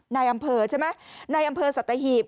นายอำเภอใช่ไหมนายอำเพอสัตหีพ